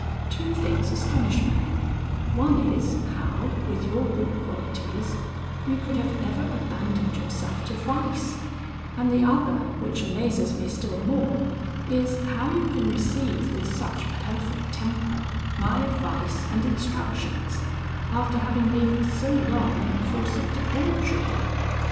Two things astonish me: one is, how, with your good qualities, you could have ever abandoned yourself to vice; and the other, which amazes me still more, is, how you can receive with such perfect temper my advice and instructions, after having lived so long in a course of debauchery.